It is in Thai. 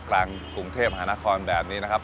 กลางกรุงเทพหานครแบบนี้นะครับ